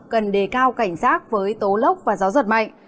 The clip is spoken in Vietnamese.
cần đề cao cảnh giác với tố lốc và gió giật mạnh